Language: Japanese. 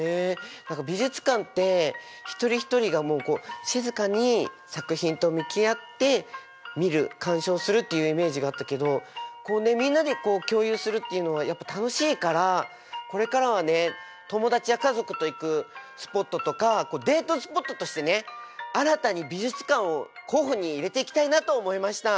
何か美術館って一人一人が静かに作品と向き合って見る鑑賞するっていうイメージがあったけどみんなで共有するっていうのはやっぱ楽しいからこれからはね友達や家族と行くスポットとかデートスポットとしてね新たに美術館を候補に入れていきたいなと思いました。